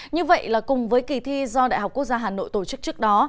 như vậy là cùng với kỳ thi do đại học quốc gia hà nội tổ chức trước đó